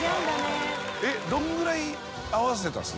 えっどんぐらい合わせたんです？